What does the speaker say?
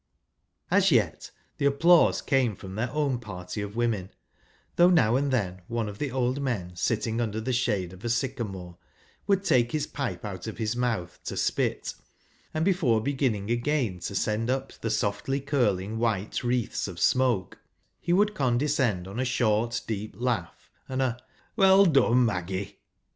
As yet, the applause came from their own party of women ; though now and then one of the old men, sitting under the shade of a sycamore, would take his pipe out of his mouth to spit, and, before beginning again to send up the softly curling white ■wreaths of smoke, he would condescend on a short deep laugh, and a "Well done, Maggie!"